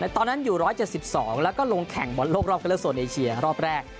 ตอนนั้นอยู่๑๗๒แล้วก็ลงแข่งบอลโลกรอบกันเลือกโซนเอเชียรอบแรก